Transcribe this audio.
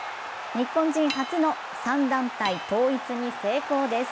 日本人初の３団体統一に成功です。